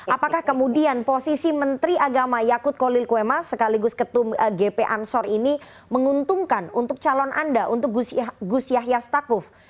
apakah kemudian posisi menteri agama yakut kolil kuema sekaligus ketum gp ansor ini menguntungkan untuk calon anda untuk gus yahya stakuf